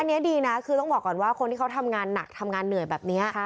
อันนี้ดีนะคือต้องบอกก่อนว่าคนที่เขาทำงานหนักทำงานเหนื่อยแบบนี้